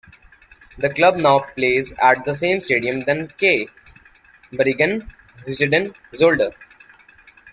The club now plays at the same stadium than K. Beringen-Heusden-Zolder.